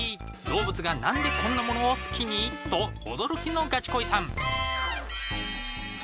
動物が何でこんなものを好きに？と驚きのガチ恋さん